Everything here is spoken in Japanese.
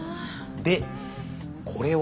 でこれを。